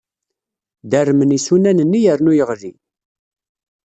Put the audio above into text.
Dermen yisunan-nni yernu yeɣli.